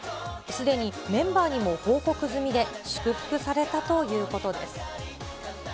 すでにメンバーにも報告済みで、祝福されたということです。